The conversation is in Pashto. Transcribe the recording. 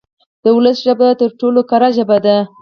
د ولس ژبه تر ټولو کره ژبه ده.